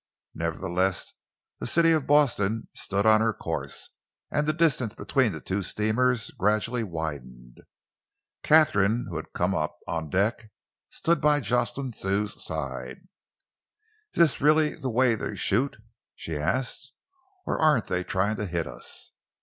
Nevertheless, the City of Boston stood on her course, and the distance between the two steamers gradually widened. Katharine, who had come up on deck, stood by Jocelyn Thew's side. "Is this really the way that they shoot," she asked, "or aren't they trying to hit us?"